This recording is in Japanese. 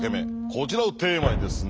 こちらをテーマにですね。